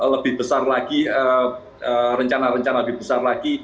lebih besar lagi rencana rencana lebih besar lagi